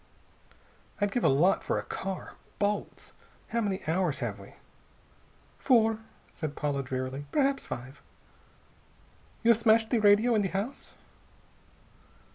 "I'd give a lot for a car. Bolts.... How many hours have we?" "Four," said Paula drearily. "Perhaps five. You have smashed the radio in the house?"